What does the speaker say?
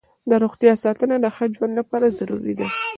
د روغتیا ساتنه د ښه ژوند لپاره ضروري ده.